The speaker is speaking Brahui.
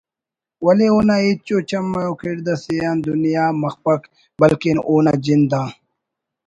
و اونا ہچ ءُ چم و کڑد اسے آن دنیا مخپک بلکن اونا جند آ